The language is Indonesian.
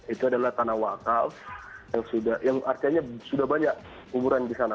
itu adalah tanah wakal yang artinya sudah banyak kuburan di sana